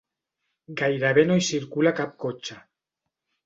Gairebé no hi circula cap cotxe.